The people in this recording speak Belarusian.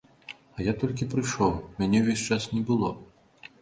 А я толькі прыйшоў, мяне ўвесь час не было.